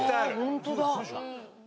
ホントだ。